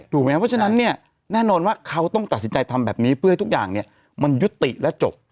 เพราะฉะนั้นเนี่ยแน่นอนว่าเขาต้องตัดสินใจทำแบบนี้เพื่อให้ทุกอย่างมันยุติและจบ